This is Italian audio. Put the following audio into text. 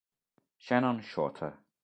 Shannon Shorter